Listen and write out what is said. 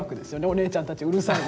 「お姉ちゃんたちうるさい」。